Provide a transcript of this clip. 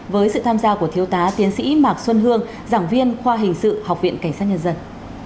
với sự tham gia của thiếu tá tiến sĩ mạc xuân hương giảng viên khoa hình sự học viện cảnh sát nhân dân